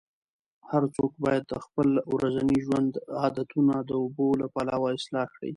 هر څوک باید د خپل ورځني ژوند عادتونه د اوبو له پلوه اصلاح کړي.